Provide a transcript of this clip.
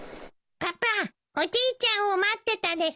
パパおじいちゃんを待ってたですか？